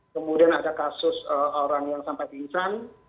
kemudian ada kasus orang yang sampai pingsan